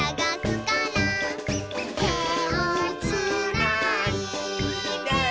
「てをつないで」